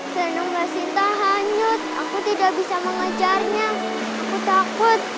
senunggasita hanyut aku tidak bisa mengejarnya aku takut